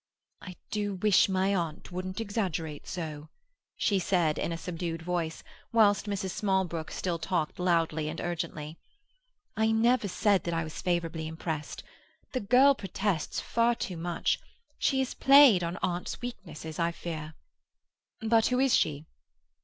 "I do wish my aunt wouldn't exaggerate so," she said in a subdued voice, whilst Mrs. Smallbrook still talked loudly and urgently. "I never said that I was favourably impressed. The girl protests far too much; she has played on aunt's weaknesses, I fear." "But who is she?"